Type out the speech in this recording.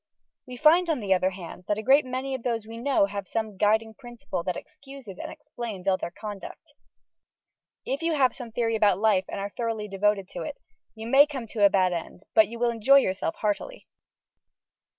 We find, on the other hand, that a great many of those we know have some Guiding Principle that excuses and explains all their conduct. If you have some Theory about Life, and are thoroughly devoted to it, you may come to a bad end, but you will enjoy yourself heartily.